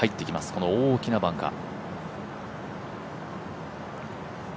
この大きなバンカー。